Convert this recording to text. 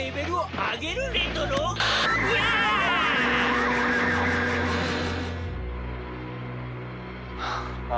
ああ。